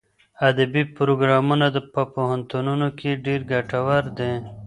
ادبي پروګرامونه په پوهنتونونو کې ډېر ګټور دي.